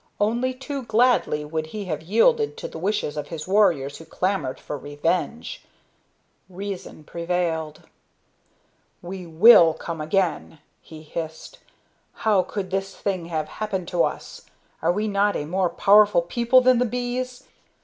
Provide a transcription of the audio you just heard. Only too gladly would he have yielded to the wishes of his warriors who clamored for revenge. Reason prevailed. "We will come again," he hissed. "How could this thing have happened to us? Are we not a more powerful people than the bees?